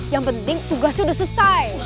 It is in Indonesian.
yang penting tugasnya sudah selesai